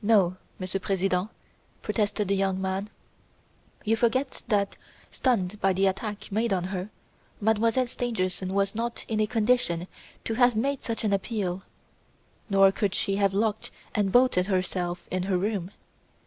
"No, Monsieur President," protested the young man. "You forget that, stunned by the attack made on her, Mademoiselle Stangerson was not in a condition to have made such an appeal. Nor could she have locked and bolted herself in her room.